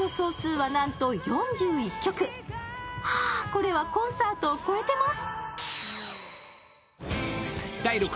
これはコンサートを超えてます。